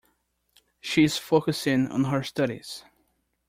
She's focusing on her studies.